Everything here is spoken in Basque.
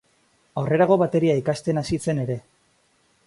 Aurrerago bateria ikasten hasi zen ere.